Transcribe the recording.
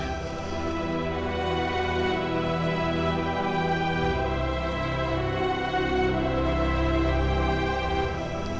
rai sepertinya tidak suka purba menang